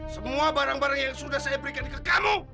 semua barang barang yang sudah saya berikan ke kamu